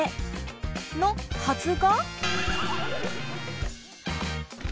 のはずが？